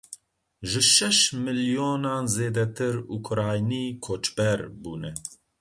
Ji şeş milyonan zêdetir, Ukraynî koçber bûne.